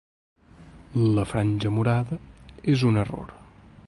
La franja morada és un error.